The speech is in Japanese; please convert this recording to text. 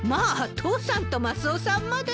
父さんとマスオさんまで。